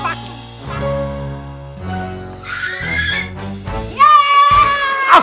satu dua tiga